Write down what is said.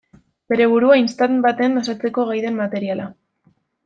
Bere burua istant batean osatzeko gai den materiala.